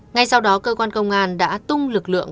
ngay sau đó cơ quan công an đã tung lực lượng